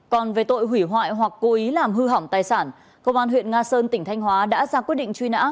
còn về tội hủy hoại hoặc cố ý làm hư hỏng tài sản công an huyện nga sơn tỉnh thanh hóa đã ra quyết định truy nã